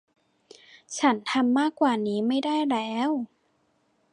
ฉันทำมากกว่านี้ไม่ได้แล้ว